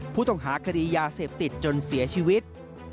ผู้ต้องหาคดียาเสพติดจนเสียชีวิต